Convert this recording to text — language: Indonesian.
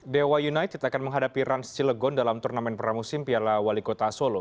dewa united akan menghadapi rans cilegon dalam turnamen pramusim piala wali kota solo